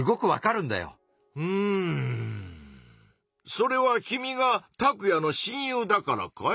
それは君がタクヤの「親友」だからかい？